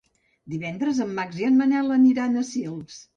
Divendres en Max i en Manel aniran a Sils.